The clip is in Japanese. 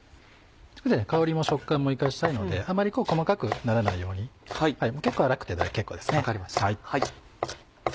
香りも食感も生かしたいのであまり細かくならないように結構粗くて結構です。